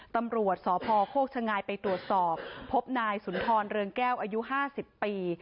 ตำรวจสพโคกชะงายไปตรวจสอบพบนายสุนทรเรืองแก้วอายุ๕๐ปี